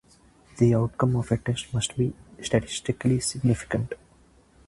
The outcome of a test must be statistically significant.